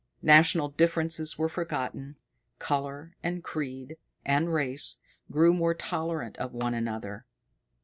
National differences were forgotten, color and creed and race grew more tolerant of one another.